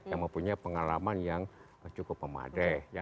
yang mempunyai pengalaman yang cukup memadai